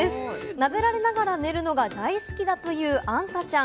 なでられながら寝るのが大好きだという、あんたちゃん。